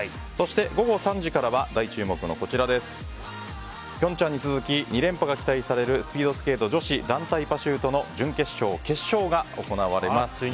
そして午後３時からは、大注目の平昌に続き２連覇が期待されるスピードスケート女子団体パシュートの準決勝、決勝が行われます。